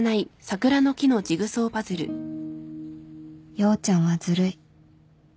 陽ちゃんはずるい